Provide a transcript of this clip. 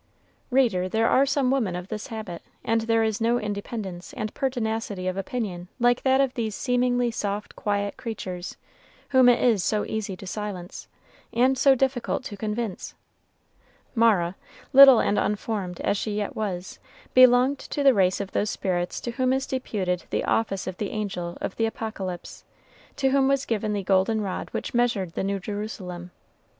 Reader, there are some women of this habit; and there is no independence and pertinacity of opinion like that of these seemingly soft, quiet creatures, whom it is so easy to silence, and so difficult to convince. Mara, little and unformed as she yet was, belonged to the race of those spirits to whom is deputed the office of the angel in the Apocalypse, to whom was given the golden rod which measured the New Jerusalem.